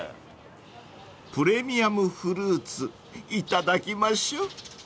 ［プレミアムフルーツいただきましょう］